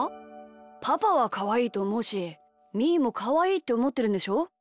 パパはかわいいとおもうしみーもかわいいっておもってるんでしょ？